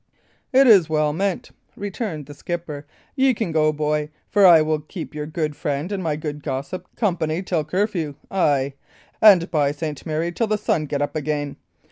"It is well meant," returned the skipper. "Ye can go, boy; for I will keep your good friend and my good gossip company till curfew ay, and by St. Mary, till the sun get up again!